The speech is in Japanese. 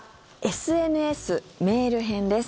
ＳＮＳ・メール編です。